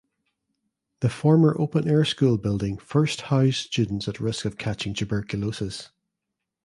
The former open air school building first housed students at risk of catching tuberculosis.